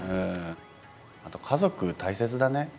あと家族、大切だね。